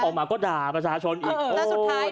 กลับมาเล่าให้ฟังครับ